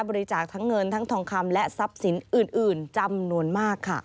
บริจาคทั้งเงินทั้งทองคำและทรัพย์สินอื่นจำนวนมากค่ะ